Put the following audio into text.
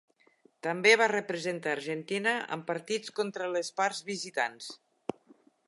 També va representar Argentina en partits contra les parts visitants.